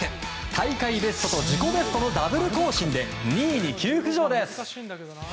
大会ベストと自己ベストのダブル更新で２位に急浮上です。